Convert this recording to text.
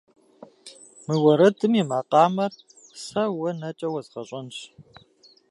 Мы уэрэдым и макъамэр сэ уэ нэкӏэ уэзгъэщӏэнщ.